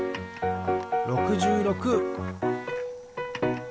６６。